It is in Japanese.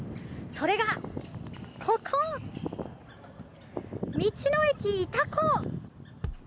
それがここ、道の駅いたこ。